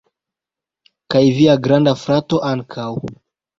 Kaj via granda frato ankaŭ